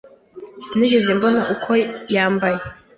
Sinigeze mbona uko yambaye.